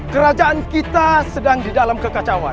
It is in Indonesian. kerajaan kita sedang berkecacauan